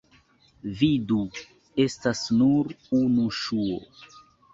Vidu: estas nur unu ŝuo.